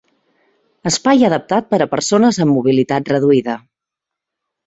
Espai adaptat per a persones amb mobilitat reduïda.